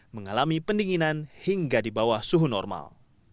mengalami pendinginan hingga di bawah suhu normal